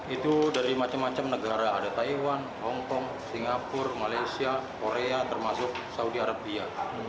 itu dari macam macam negara ada taiwan hongkong singapura malaysia korea termasuk saudi arabia